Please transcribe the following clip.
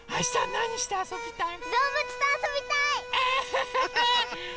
なにしてあそびたいの？